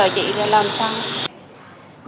chị là làm sao